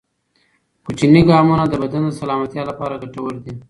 کوچني ګامونه د بدن د سلامتیا لپاره ګټور دي.